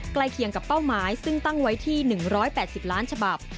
เคียงกับเป้าหมายซึ่งตั้งไว้ที่๑๘๐ล้านฉบับ